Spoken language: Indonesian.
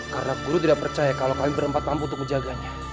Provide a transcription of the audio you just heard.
karena guru tidak percaya kalau kalian berempat mampu untuk menjaganya